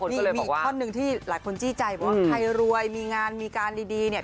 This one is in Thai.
มีข้อนึงที่หลายคนจี้ใจว่าใครรวยมีงานมีการดีเนี่ย